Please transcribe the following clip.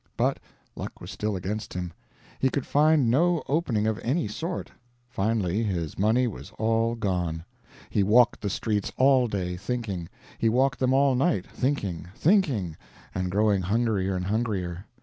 But luck was still against him; he could find no opening of any sort. Finally his money was all gone. He walked the streets all day, thinking; he walked them all night, thinking, thinking, and growing hungrier and hungrier.